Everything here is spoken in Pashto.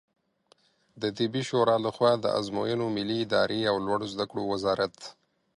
د طبي شورا له خوا د آزموینو ملي ادارې او لوړو زده کړو وزارت